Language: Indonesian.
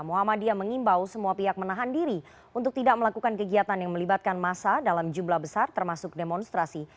muhammadiyah mengimbau semua pihak menahan diri untuk tidak melakukan kegiatan yang melibatkan masa dalam jumlah besar termasuk demonstrasi